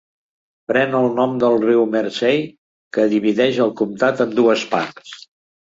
Pren el nom del riu Mersey que divideix el comtat en dues parts.